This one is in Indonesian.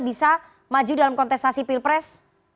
bisa maju dalam kontestasi pilpres